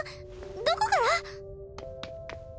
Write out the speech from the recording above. どこから？